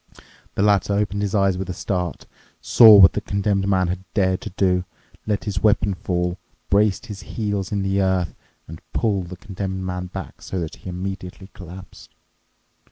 The latter opened his eyes with a start, saw what the Condemned Man had dared to do, let his weapon fall, braced his heels in the earth, and pulled the Condemned Man back, so that he immediately collapsed.